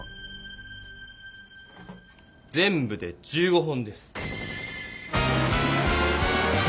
全部で１５本です。